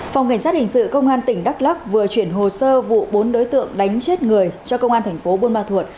phòng cảnh sát hình sự công an tỉnh đắk lắc vừa chuyển hồ sơ vụ bốn đối tượng đánh chết người cho công an thành phố buôn ma thuột